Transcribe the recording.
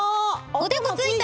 おでこついた！